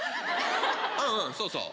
うんうんそうそう